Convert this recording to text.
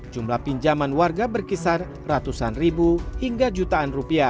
jumlah pinjaman warga berkisar ratusan ribu hingga jutaan rupiah